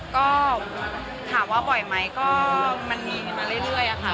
ก็ถามว่าบ่อยไหมก็มันมีมาเรื่อยค่ะ